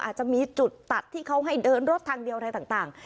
อาจจะมีจุดตัดที่เขาให้เดินรถทางเดียวอะไรต่าง